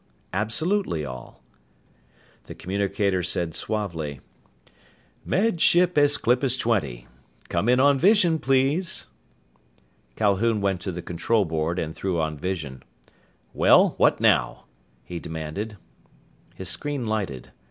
Absolutely all. The communicator said suavely: "Med Ship Aesclipus Twenty! Come in on vision, please!" Calhoun went to the control board and threw on vision. "Well, what now?" he demanded. His screen lighted.